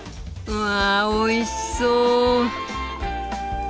わあおいしそう。